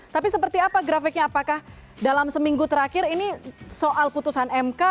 tapi seperti apa grafiknya apakah dalam seminggu terakhir ini soal putusan mk